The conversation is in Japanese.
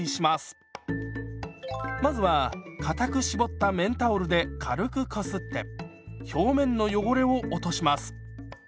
まずはかたく絞った綿タオルで軽くこすって表面の汚れを落とします。